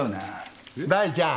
・大ちゃん。